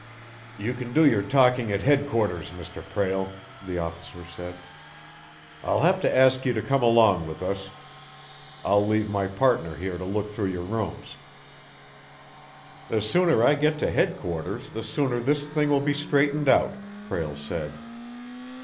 "You can do your talking at headquarters, Mr. Prale," the officer said. "I'll have to ask you to come along with us. I'll leave my partner here to look through your rooms." "The sooner I get to headquarters, the sooner this thing will be straightened out," Prale said.